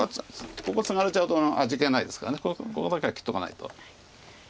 ここツガれちゃうと味気ないですからここだけは切っとかないと。